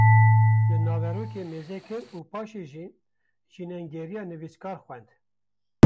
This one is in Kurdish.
li naverokê mêzekir û paşê jî jînengeriya nivîskar xwend